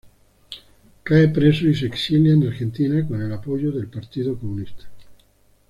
Cae preso y se exilia en Argentina con el apoyo del Partido Comunista.